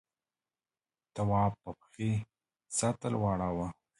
تواب په پښې سطل واړاوه.